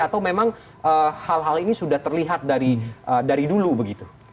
atau memang hal hal ini sudah terlihat dari dulu begitu